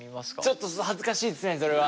ちょっと恥ずかしいですねそれは。